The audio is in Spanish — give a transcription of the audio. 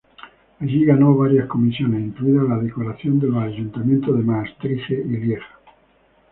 Allí ganó varias comisiones, incluida la decoración de los ayuntamientos de Maastricht y Lieja.